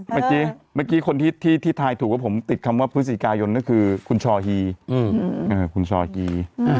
เมื่อกี้คนที่ถ่ายถูกว่าผมติดคำว่าในพฤษีกายนคือคุณชฮี